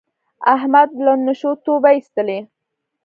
احمد له نشو توبه ایستله.